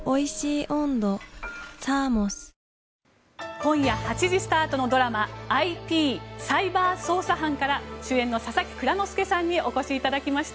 今夜８時スタートのドラマ「ＩＰサイバー捜査班」から主演の佐々木蔵之介さんにお越しいただきました。